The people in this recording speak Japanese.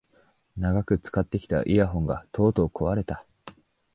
長く使ってきたイヤホンがとうとう壊れた